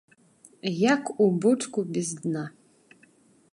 Як у бочку без дна.